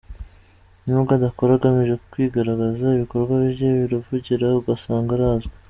Nubwo adakora agamije kwigaragaza, ibikorwa bye birivugira ugasanga arazwi.